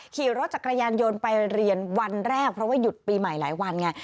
ขี่รถจักรยานยนต์ไปเรียนวันแรกเพราะว่าหยุดปีใหม่หลายวันไง